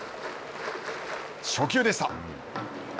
初球でした。